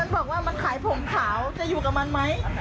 มันบอกว่ามันขายผมขาวจะอยู่กับมันไหม